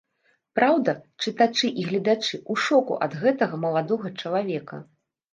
Праўда, чытачы і гледачы ў шоку ад гэтага маладога чалавека.